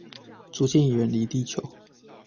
逐漸遠離地球